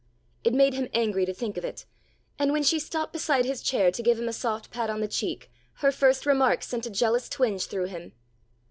It made him angry to think of it, and when she stopped beside his chair to give him a soft pat on the cheek her first remark sent a jealous twinge through him.